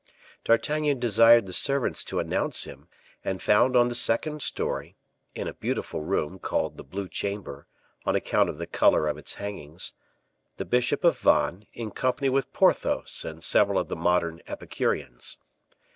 D'Artagnan desired the servants to announce him, and found on the second story (in a beautiful room called the Blue Chamber, on account of the color of its hangings) the bishop of Vannes in company with Porthos and several of the modern Epicureans.